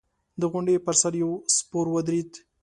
د غونډۍ پر سر يو سپور ودرېد.